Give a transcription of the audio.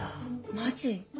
マジ？